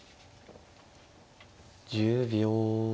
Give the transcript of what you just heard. １０秒。